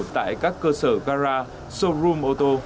tại các cơ sở gara showroom ô tô